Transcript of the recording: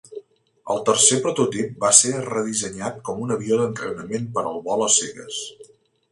El tercer prototip va ser redissenyat com un avió d'entrenament per al vol a cegues.